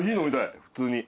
普通に。